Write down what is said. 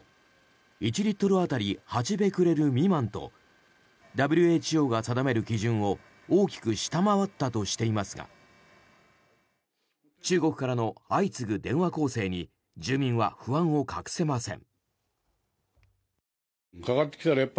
１リットル当たり８ベクレル未満とＷＨＯが定める基準を大きく下回ったとしていますが中国からの相次ぐ電話攻勢に住民は不安を隠せません。